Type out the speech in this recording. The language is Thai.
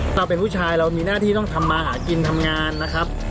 เราเป็นผู้ชายเรามีหน้าที่ต้องทำมาหากินทำงานนะครับ